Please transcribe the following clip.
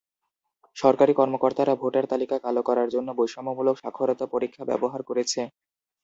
সরকারি কর্মকর্তারা ভোটার তালিকা কালো করার জন্য বৈষম্যমূলক সাক্ষরতা পরীক্ষা ব্যবহার করেছে।